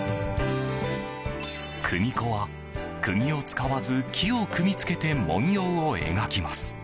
組子は、釘を使わず木を組み付けて文様を描きます。